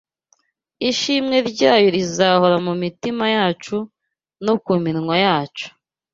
ishimwe ryayo rizahora mu mitima yacu no ku minwa yacu